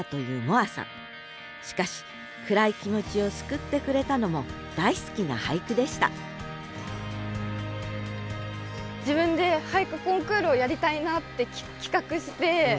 しかし暗い気持ちを救ってくれたのも大好きな俳句でした自分で俳句コンクールをやりたいなって企画して。